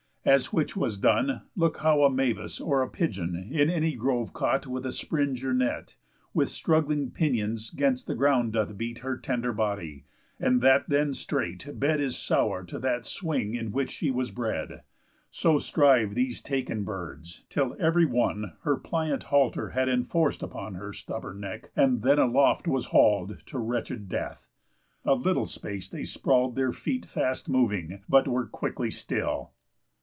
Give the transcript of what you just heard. As which was done, Look how a mavis, or a pigeon, In any grove caught with a springe or net, With struggling pinions 'gainst the ground doth beat Her tender body, and that then strait bed Is sour to that swing in which she was bred; So striv'd these taken birds, till ev'ry one Her pliant halter had enforc'd upon Her stubborn neck, and then aloft was haul'd To wretched death. A little space they sprawl'd, Their feet fast moving, but were quickly still.